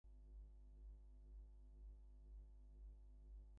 He played college football for Southern Mississippi.